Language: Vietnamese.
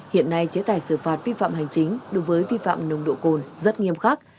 hiện nay chế tài xử phạt vi phạm hành chính đối với vi phạm nồng độ cồn rất nghiêm khắc